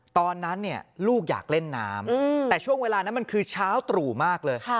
ตอนนั้นลูกอยากเล่นน้ำแต่ช่วงเวลานั้นมันคือเช้าตรู่มากเลย